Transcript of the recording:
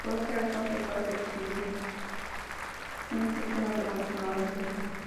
Por esta razón, su padre decidió en un principio no tomarlo como alumno.